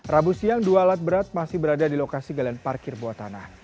rabu siang dua alat berat masih berada di lokasi galian parkir buatan